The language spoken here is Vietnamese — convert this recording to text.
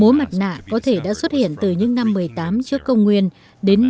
múa mặt nạ có thể đã xuất hiện từ những năm một mươi tám trước công nguyên đến năm chín trăm ba mươi năm